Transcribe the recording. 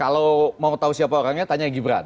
kalau mau tahu siapa orangnya tanya gibran